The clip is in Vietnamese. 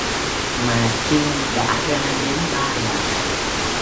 Mà chinh đã ra đến ba lần